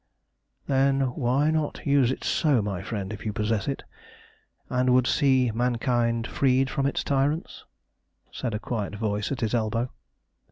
"Then why not use it so, my friend, if you possess it, and would see mankind freed from its tyrants?" said a quiet voice at his elbow.